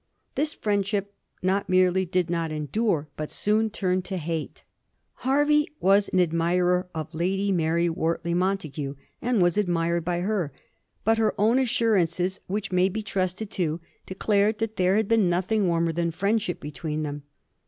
This friendship not merely did not endure, but soon turned into hate. Hervey was an admirer of Lady Mary Wortley Montagu, and was admired by her ; but her own assurances, which may be trusted to, declared that there had been nothing warmer than fiiendship between them.